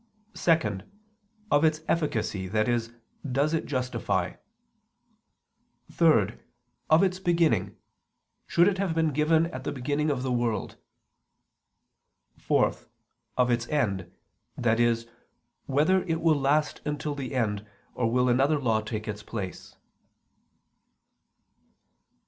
(2) Of its efficacy, i.e. does it justify? (3) Of its beginning: should it have been given at the beginning of the world? (4) Of its end: i.e. whether it will last until the end, or will another law take its place?